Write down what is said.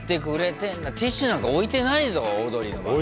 ティッシュなんか置いてないぞオードリーの番組。